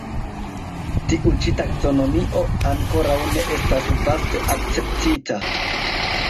Tiu ĉi taksonomio ankoraŭ ne estas vaste akceptita.